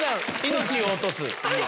「命を落とす」？